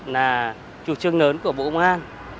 là chủ trương lớn của bộ công an